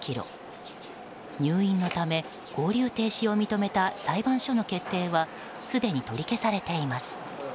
入院のため勾留停止を認めた裁判所の決定はすでに取り消されています。